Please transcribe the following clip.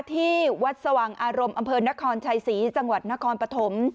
ที่วัดสว่างอารมณ์อำเภอนครชัยศรีจังหวัดนครปฐม